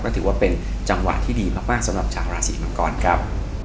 ถือว่าเป็นจังหวะที่ดีมากสำหรับชาวราศีมังกรครับ